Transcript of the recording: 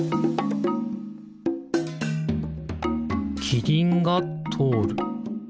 キリンがとおる。